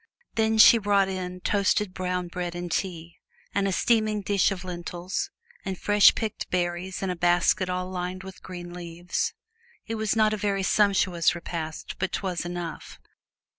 Then she brought in toasted brown bread and tea, and a steaming dish of lentils, and fresh picked berries in a basket all lined with green leaves. It was not a very sumptuous repast, but 't was enough.